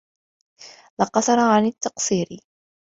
لَقَصَّرَ عَنْ التَّقْصِيرِ